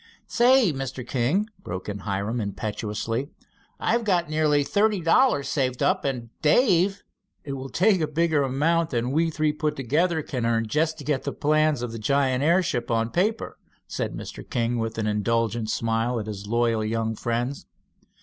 "Say, Mr. King," broke in Hiram impetuously, "I've got nearly thirty dollars saved up, and Dave " "It will take bigger amounts than we three put together can earn just to get the plans of the giant airship on paper," said Mr. King, with an indulgent smile at his loyal young friends.